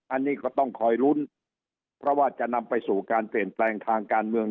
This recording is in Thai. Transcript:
อันนี้ก็ต้องคอยลุ้นเพราะว่าจะนำไปสู่การเปลี่ยนแปลงทางการเมือง